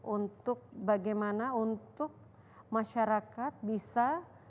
untuk bagaimana untuk masyarakat bisa